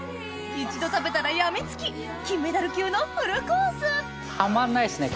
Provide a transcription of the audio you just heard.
一度食べたら病みつき金メダル級のフルコースたまんないですね